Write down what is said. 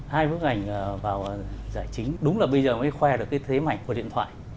hai bức ảnh vào giải chính đúng là bây giờ mới khoe được cái thế mạnh của điện thoại